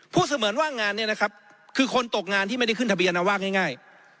เสมือนว่างานนี้นะครับคือคนตกงานที่ไม่ได้ขึ้นทะเบียนเอาว่าง่าย